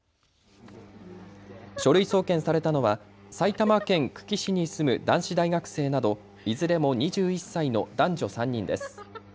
書類送検されたのは埼玉県久喜市に住む男子大学生などいずれも２１歳の男女３人です。